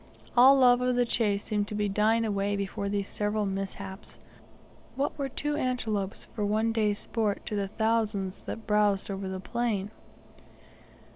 All love of the chase seemed to be dying away before these several mishaps. What were two antelopes for one day's sport to the thousands that browsed over the plain?